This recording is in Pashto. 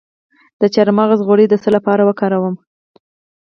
د چارمغز غوړي د څه لپاره وکاروم؟